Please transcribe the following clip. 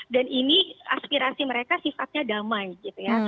dan ini aspirasi mereka sifatnya damai gitu ya